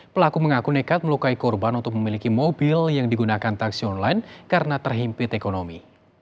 pelaku mengaku nekat melukai korban untuk memiliki mobil yang digunakan taksi online karena terhimpit ekonomi